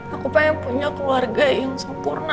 aku pengen punya keluarga yang sempurna